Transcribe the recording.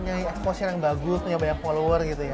punya exposure yang bagus punya banyak follower